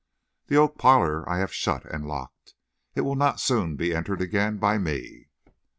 The oak parlor I have shut and locked. It will not be soon entered again by me.